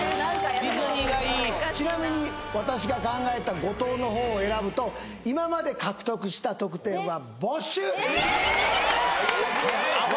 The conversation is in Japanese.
ちなみに私が考えた誤答の方を選ぶと今まで獲得した得点は没収えっ！